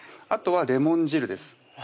あとはレモン汁です